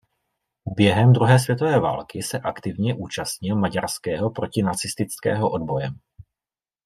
Během druhé světové války se aktivně účastnil maďarského protinacistického odboje.